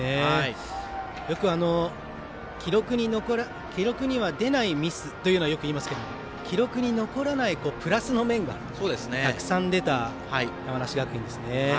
よく記録には出ないミスとはよく言いますけど記録に残らないプラスの面がたくさん出た山梨学院ですね。